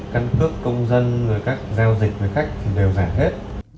căn cước công dân các giao dịch với khách đều giảm hết